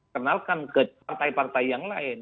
kenalkan ke partai partai yang lain